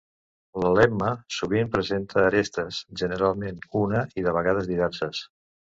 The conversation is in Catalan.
La lemma sovint presenta arestes, generalment una i de vegades diverses.